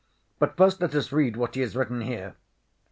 But, first, let us read what he has written here."